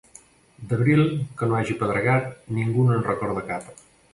D'abril que no hagi pedregat ningú no en recorda cap.